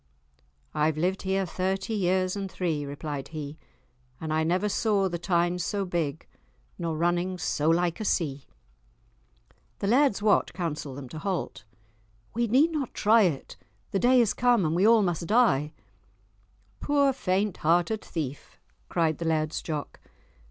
"I've lived here thirty years and three," replied he, "and I never saw the Tyne so big, nor running so like a sea." The Laird's Wat counselled them to halt. "We need not try it, the day is come we all must die!" "Poor faint hearted thief!" cried the Laird's Jock.